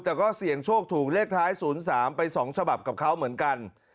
แต่ก็เสี่ยงโชคถูกเลขท้าย๐๓ไป๒ฉบับกับเขาเหมือนกัน